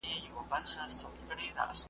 پر زړو خوړو شخوندونه یې وهله `